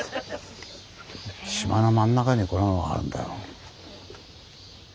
島の真ん中にこんなものがあるんだよ。